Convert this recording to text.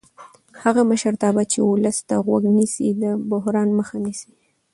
هغه مشرتابه چې ولس ته غوږ نیسي د بحران مخه نیسي